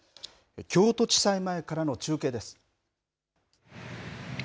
京都地裁前からの中継です。